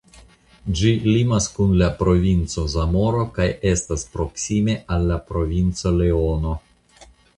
Ĝi limas kun la provinco Zamoro kaj estas proksime al la provinco Leono.